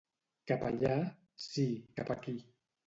Capellà... Sí, cap aquí.